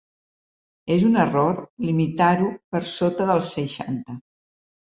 És un error limitar-ho per sota dels seixanta?